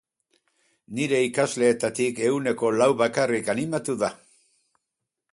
Nire ikasleetatik ehuneko lau bakarrik animatu da.